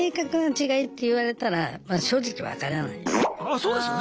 そうですよね。